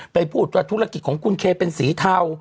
พูดว่าธุรกิจของคุณเคเป็นสีเทา